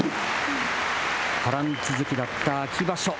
波乱続きだった秋場所。